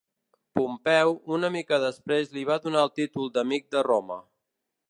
Pompeu una mica després li va donar el títol d'amic de Roma.